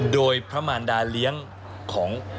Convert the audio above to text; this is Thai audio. โดยพระมารดาเลี้ยงของ